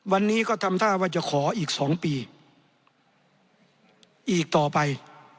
วันนี้ก็ทำท่าว่าจะขออีก๒ปีอีกต่อไป